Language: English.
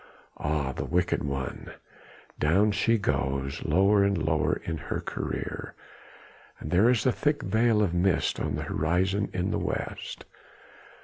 Ah! the wicked one! down she goes, lower and lower in her career, and there is a thick veil of mist on the horizon in the west!